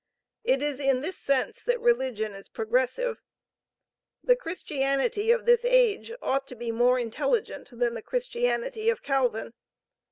It is in this sense that religion is progressive. The Christianity of this age ought to be more intelligent than the Christianity of Calvin.